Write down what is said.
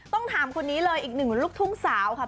ต้องถามคนนี้เลยอีกหนึ่งลูกทุ่งสาวค่ะ